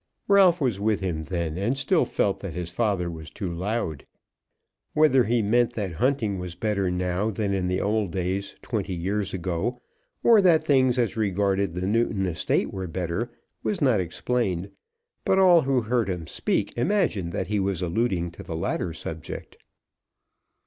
Ralph was with him then, and still felt that his father was too loud. Whether he meant that hunting was better now than in the old days twenty years ago, or that things as regarded the Newton estate were better, was not explained; but all who heard him speak imagined that he was alluding to the latter subject.